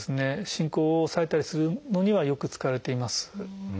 進行を抑えたりするのにはよく使われています。